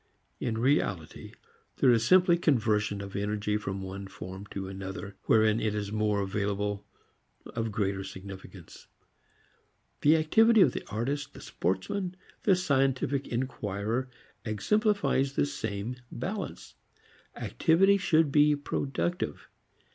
In reality there is simply conversion of energy from one form to another wherein it is more available of greater significance. The activity of the artist, the sportsman, the scientific inquirer exemplifies the same balance. Activity should be productive.